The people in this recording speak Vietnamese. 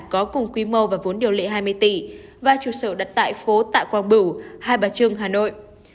có cùng quy mô và vốn điều lệ hai mươi tỷ và trụ sở đặt tại phố tạ quang bửu hai bà trưng hà nội